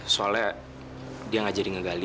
soalnya dia gak jadi ngegali